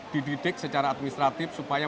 dididik secara administratif supaya